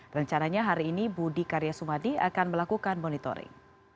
rencananya hari ini budi karya sumadi akan melakukan monitoring